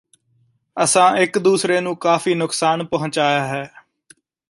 ਅਸਾਂ ਇਕ ਦੂਸਰੇ ਨੂੰ ਕਾਫੀ ਨੁਕਸਾਨ ਪਹੁੰਚਾਇਆ ਹੈ